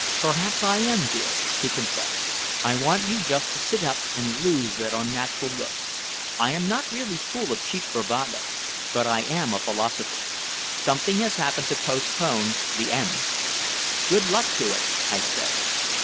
"Perhaps I am, dear," he confessed. "I want you just to sit up and lose that unnatural look. I am not really full of cheap bravado, but I am a philosopher. Something has happened to postpone the end. Good luck to it, I say!"